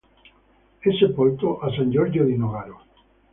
È sepolto a San Giorgio di Nogaro.